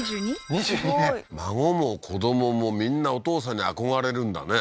２２年孫も子どももみんなお父さんに憧れるんだね